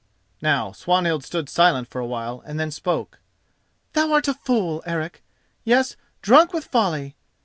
Now Swanhild stood silent for a while and then spoke: "Thou art a fool, Eric—yes, drunk with folly.